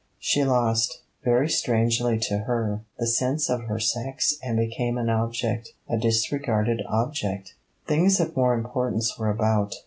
She lost, very strangely to her, the sense of her sex and became an object a disregarded object. Things of more importance were about.